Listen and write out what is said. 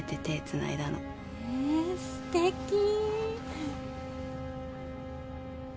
えすてき。